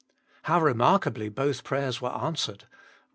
How remarkably both prayers were answered: Rom.